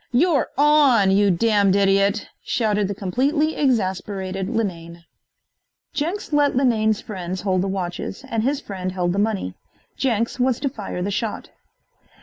"You're on, you damned idiot!" shouted the completely exasperated Linane. Jenks let Linane's friends hold the watches and his friend held the money. Jenks was to fire the shot.